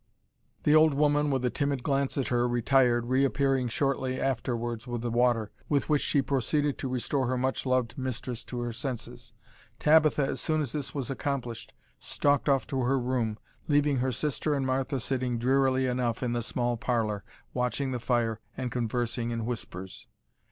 The old woman, with a timid glance at her, retired, reappearing shortly afterwards with the water, with which she proceeded to restore her much loved mistress to her senses. Tabitha, as soon as this was accomplished, stalked off to her room, leaving her sister and Martha sitting drearily enough in the small parlour, watching the fire and conversing in whispers.